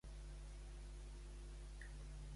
Que els va consultar darrerament Esquerra?